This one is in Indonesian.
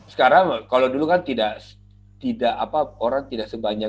sekarang kalau dulu kan tidak orang tidak sebanyak